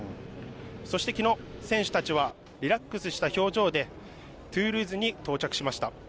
そしてきのう、選手たちはリラックスした表情でトゥールーズに到着しました。